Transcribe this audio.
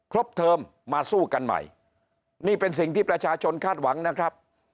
เทอมมาสู้กันใหม่นี่เป็นสิ่งที่ประชาชนคาดหวังนะครับ